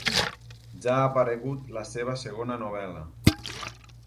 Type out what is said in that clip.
Ja ha aparegut la seva segona novel·la.